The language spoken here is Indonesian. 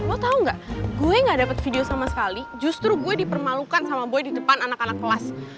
lo tau gak gue gak dapet video sama sekali justru gue dipermalukan sama gue di depan anak anak kelas